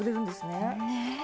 ねえ！